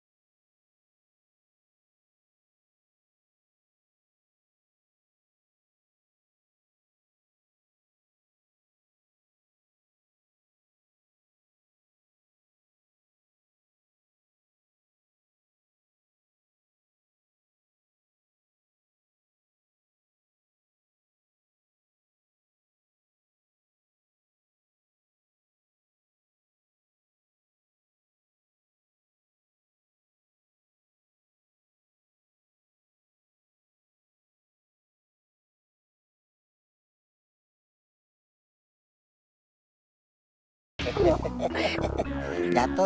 kok meng pies ngelaka itu